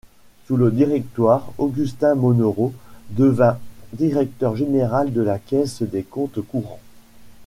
Sous le Directoire, Augustin Monneron devint Directeur général de la Caisse des comptes courants.